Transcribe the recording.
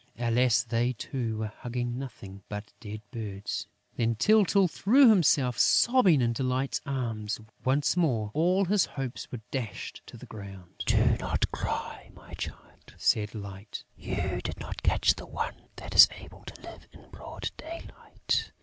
Alas, they too were hugging nothing but dead birds! Then Tyltyl threw himself sobbing into Light's arms. Once more, all his hopes were dashed to the ground. "Do not cry, my child," said Light. "You did not catch the one that is able to live in broad daylight....